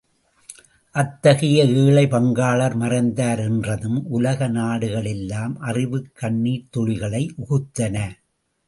அத்தகைய ஏழை பங்காளர் மறைந்தார் என்றதும் உலக நாடுகள் எல்லாம் அறிவுக் கண்ணீர்த் துளிகளை உகுத்தன.